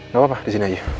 gak apa pak disini aja